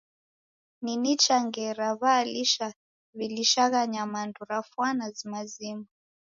Ni nicha ngera w'alisha w'ilishagha nyamandu ra fwana zima zima.